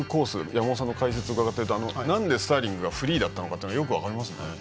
山本さんの解説を伺うとなぜスターリングがフリーだったのかよく分かりますね。